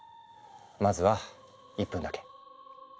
まずは１分だけ。